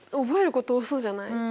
覚えること多そうじゃない？